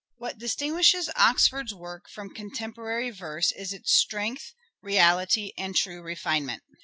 What distinguishes Oxford's work from contemporary verse is its strength, reality, and true refinement.